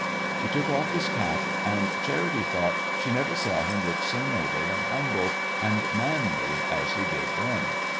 He took off his cap, and Charity thought she never saw him look so noble and humble and manly as he did then.